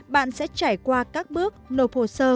bạn sẽ trải qua các bước nộp hồ sơ